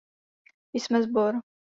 Jsme sbor.